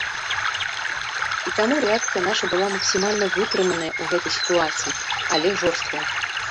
І таму рэакцыя наша была максімальна вытрыманая ў гэтай сітуацыі, але жорсткая.